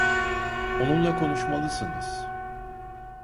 Onunla konuşmalısınız.